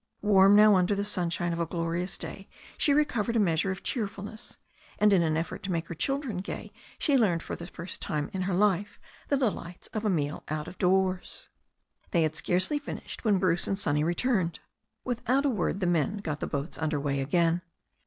Warm now under the sunshine of a glorious day, she recovered a measure of cheerfulness, and in an effort to make her children gay she learnt for the first time in her life the delights of a meal out of doors. They had scarcely finished when Bruce and Sonny re turned. Without a word the men got the boats under way again.